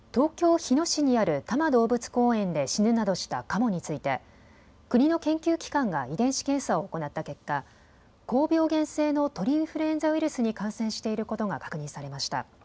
日野市にある多摩動物公園で死ぬなどしたカモについて国の研究機関が遺伝子検査を行った結果、高病原性の鳥インフルエンザウイルスに感染していることが確認されました。